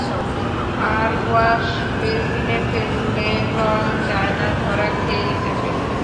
আর wash বেসিনে ফেললে রঙ যায় না, ধরা খেয়ে যাবে।